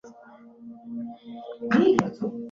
mpango mzima wa upandaji miti katika mlima elgon